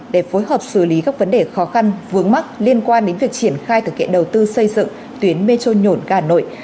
để phối hợp xử lý các vấn đề khó khăn vướng mắc liên quan đến việc triển khai thực hiện đầu tư xây dựng tuyến metro nhổn ga hà nội